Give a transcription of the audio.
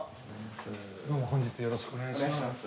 どうも本日よろしくお願いします」